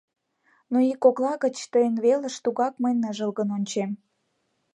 Но ий кокла гыч тыйын велыш Тугак мый ныжылгын ончем.